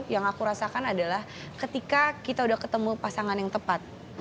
yang aku rasakan adalah ketika kita udah ketemu pasangan yang tepat